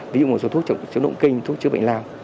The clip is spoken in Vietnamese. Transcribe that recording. ví dụ một số thuốc chống động kinh thuốc chứa bệnh lao